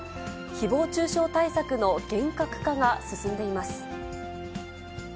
ひぼう中傷対策の厳格化が進んでいます。